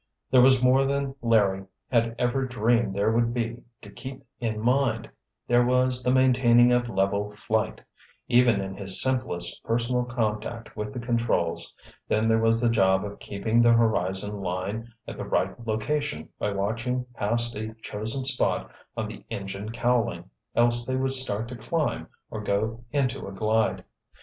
There was more than Larry had ever dreamed there would be to keep in mind: there was the maintaining of level flight; even in his simplest personal contact with the controls; then there was the job of keeping the horizon line at the right location by watching past a chosen spot on the engine cowling, else they would start to climb or go into a glide.